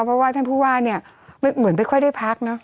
เพราะว่าท่านผู้ว่าเนี่ยเหมือนไม่ค่อยได้พักเนอะ